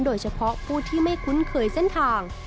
โดยเฉพาะผู้ที่ไม่คุ้นเคยเส้นทาง